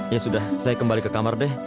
ya sudah saya kembali ke kamar deh